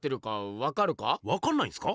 わかんないんすか？